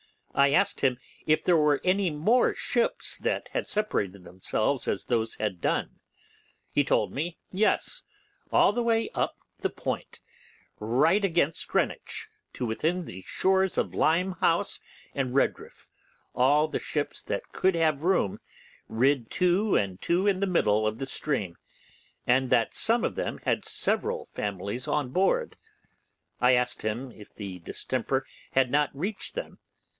I asked him if there was any more ships that had separated themselves as those had done. He told me yes, all the way up from the point, right against Greenwich, to within the shore of Limehouse and Redriff, all the ships that could have room rid two and two in the middle of the stream, and that some of them had several families on board. I asked him if the distemper had not reached them.